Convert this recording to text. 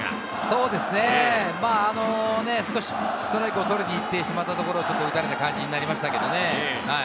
そうですね、ストライクをとりにいってしまったところを打たれた感じになりましたね。